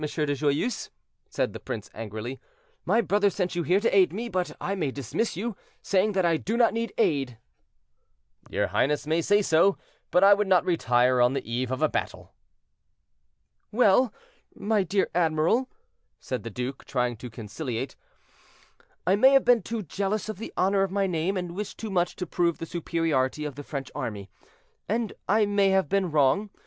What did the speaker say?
de Joyeuse," said the prince angrily; "my brother sent you here to aid me, but I may dismiss you, saying that I do not need aid." "Your highness may say so, but I would not retire on the eve of a battle." "Well, my dear admiral," said the duke, trying to conciliate, "I may have been too jealous of the honor of my name, and wished too much to prove the superiority of the French army, and I may have been wrong.